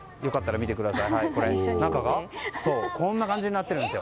中はこんな感じになってるんです。